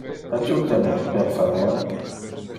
Adjuta me, per favor.